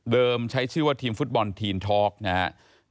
ใช้ชื่อว่าทีมฟุตบอลทีนทอล์กนะครับ